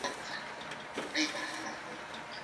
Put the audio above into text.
د سیاستپوهنې مینه وال زیات سوي دي.